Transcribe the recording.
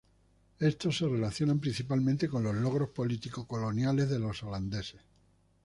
Estos se relacionan principalmente con los logros político-coloniales de los holandeses.